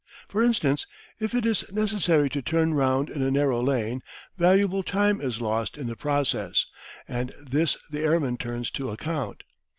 For instance, if it is necessary to turn round in a narrow lane, valuable time is lost in the process, and this the airman turns to account.